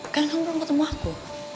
karena kamu belum ketemu aku